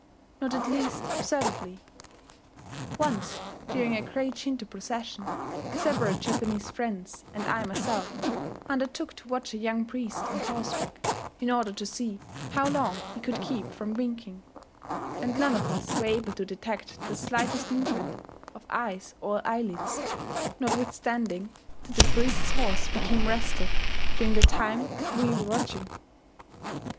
Not at least observably.... Once, during a great Shinto procession, several Japanese friends, and I myself, undertook to watch a young priest on horseback, in order to see how long he could keep from winking; and none of us were able to detect the slightest movement of eyes or eyelids, notwithstanding that the priest's horse became restive during the time that we were watching.